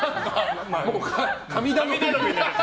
神頼みみたいな。